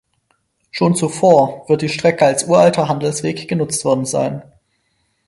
Schon zuvor wird die Strecke als ‚uralter Handelsweg‘ genutzt worden sein.